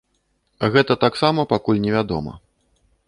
Гэта таксама пакуль невядома.